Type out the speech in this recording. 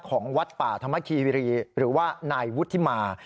ของวัดป่าธรรมคีวิรีหรือว่านายวุฒิมา